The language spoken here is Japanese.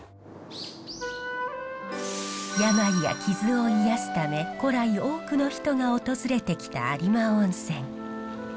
病や傷を癒やすため古来多くの人が訪れてきた有馬温泉。